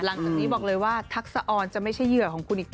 หลังจากนี้บอกเลยว่าทักษะออนจะไม่ใช่เหยื่อของคุณอีก